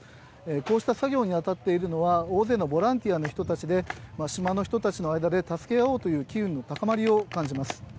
こうした作業に当たっているのは、大勢のボランティアの人たちで、島の人たちの間で助け合おうという機運の高まりを感じます。